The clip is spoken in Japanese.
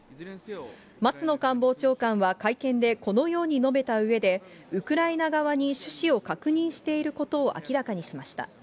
松野官房長官は会見でこのように述べたうえで、ウクライナ側に趣旨を確認していることを明らかにしました。